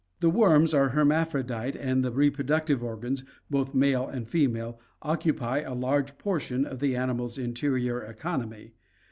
The worms are hermaphrodite and the reproductive organs, both male and female, occupy a large portion of the animal's interior economy.